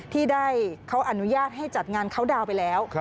ที่ได้เขาอนุญาตให้จัดงานเขาดาวน์ไปแล้ว